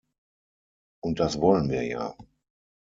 Und das wollen wir ja.